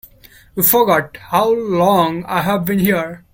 You forget how long I have been here.